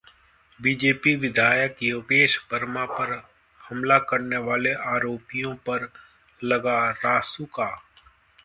BJP विधायक योगेश वर्मा पर हमला करने वाले आरोपियों पर लगा रासुका